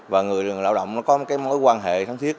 và người lao động có mối quan hệ thân thiết